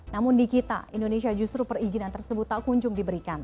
namun di kita indonesia justru perizinan tersebut tak kunjung diberikan